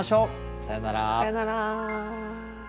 さよなら。